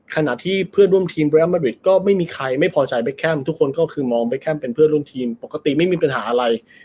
อะไรเป็นมืออาชีพเป็นมืออาชีพถูกมาก